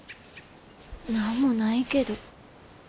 何もないけど。